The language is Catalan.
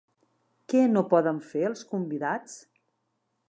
Què no poden fer els convidats?